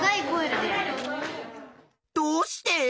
どうして？